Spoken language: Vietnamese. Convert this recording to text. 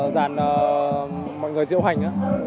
dàn mọi người diễu hành